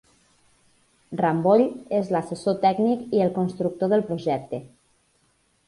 Ramboll és l'assessor tècnic i el constructor del projecte.